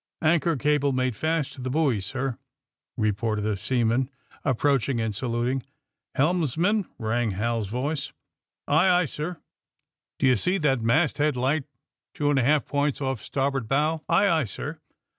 *^ Anchor cable made fast to the buoy, sir/' reported a seaman, approaching and saluting. *^ Helmsman !'' rang Hal 's voice. *^Aye, aye, sir." *^Do you see that masthead light two and a half points off starboard bowf" *^Aye, aye, sir."